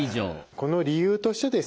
この理由としてですね